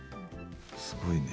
すごいね。